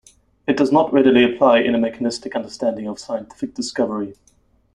It does not readily apply in a mechanistic understanding of scientific discovery.